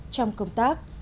trong công tác